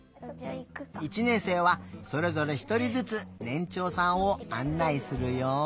いちねんせいはそれぞれひとりずつねんちょうさんをあんないするよ。